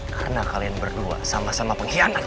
karena kalian berdua sama sama pengkhianat